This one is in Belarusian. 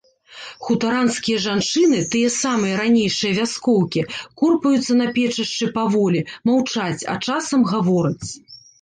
Хутаранскія жанчыны, тыя самыя ранейшыя вяскоўкі, корпаюцца на печышчы паволі, маўчаць, а часам гавораць.